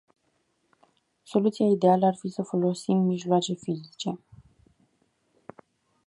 Soluția ideală ar fi să folosim mijloace fizice.